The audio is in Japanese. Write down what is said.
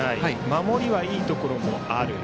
守りはいいところもある。